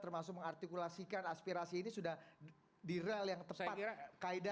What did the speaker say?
termasuk mengartikulasikan aspirasi ini sudah di rel yang tepat kaedah dan demokrasi yang baik